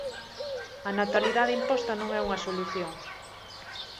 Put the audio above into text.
A natalidade imposta non é unha solución.